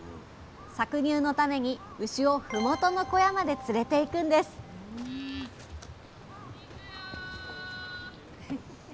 搾乳のために牛をふもとの小屋まで連れていくんです行くよ。